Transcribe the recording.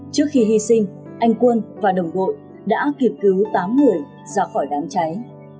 trước khi hy sinh anh quân và đồng đội đã kịp cứu tám người ra khỏi đám cháy